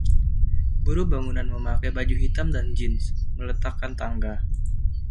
Buruh bangunan memakai baju hitam dan jeans, meletakkan tangga.